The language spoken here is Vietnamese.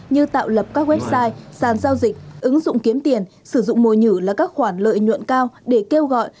như tạo lập các website sàn giao dịch ứng dụng kiếm tiền sử dụng mồi nhử là các khoản lợi nhuận cao để kêu gọi